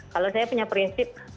kalau saya punya prinsip